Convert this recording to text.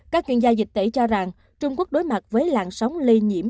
các chuyên gia dịch tễ cho rằng trung quốc đối mặt với làn sóng lây nhiễm